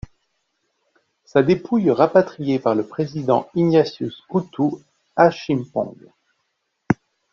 Sa dépouille rapatriée par le président Ignatius Kutu Acheampong.